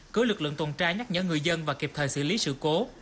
cứu lực lượng tuần tra nhắc nhớ người dân và kịp thời xử lý sự cố